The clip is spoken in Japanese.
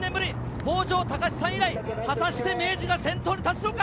北條尚さん以来、果たして明治が先頭に立つのか？